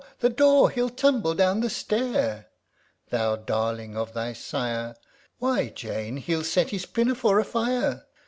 the door ! he'll tumble down the stair !) Thou darling of thy sire ! DOMESTIC POEMS 225 (Why, Jane, hell set his pinafore a fire